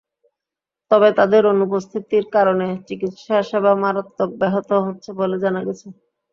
তবে তাঁদের অনুপস্থিতির কারণে চিকিৎসা সেবা মারাত্মক ব্যাহত হচ্ছে বলে জানা গেছে।